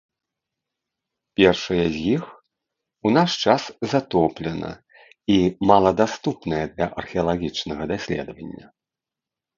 Першая з іх у наш час затоплена і мала даступная для археалагічнага даследавання.